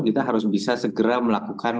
kita harus bisa segera melakukan